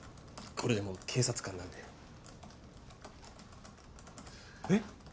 これでも警察官なんでえっ？